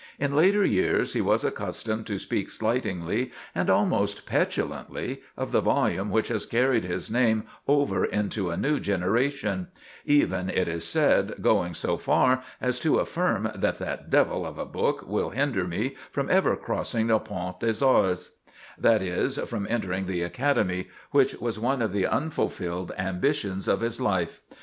In later years he was accustomed to speak slightingly and almost petulantly of the volume which has carried his name over into a new generation; even, it is said, going so far as to affirm that "that devil of a book will hinder me from ever crossing the Pont des Arts"—that is, from entering the Academy, which was one of the unfulfilled ambitions of his life.